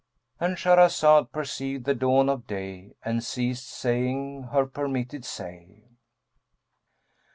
"—And Shahrazad perceived the dawn of day and ceased saying her permitted say.